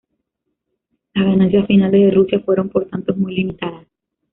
Las ganancias finales de Rusia fueron por tanto muy limitadas.